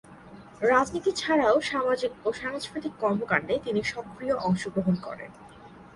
রাজনীতি ছাড়াও সামাজিক ও সাংস্কৃতিক কর্মকান্ডে তিনি সক্রিয় অংশগ্রহণ করেন।